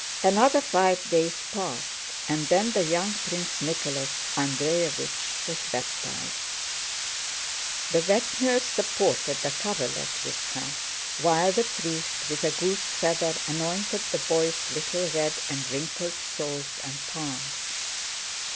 Another five days passed, and then the young Prince Nicholas Andréevich was baptized. The wet nurse supported the coverlet with her chin, while the priest with a goose feather anointed the boy's little red and wrinkled soles and palms.